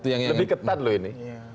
lebih ketat loh ini